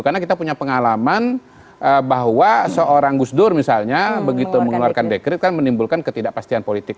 karena kita punya pengalaman bahwa seorang gus dur misalnya begitu mengeluarkan dekret kan menimbulkan ketidakpastian politik